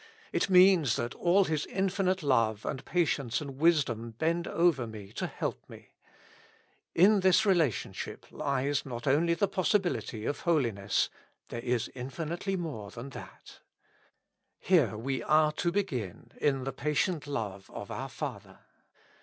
It means that all His infinite love and patience and wisdom bend over me to help vie. In this relationship lies not only the possibility of holiness ; there is infinitely more than that. Here we are to begin, in the patient love of our Father.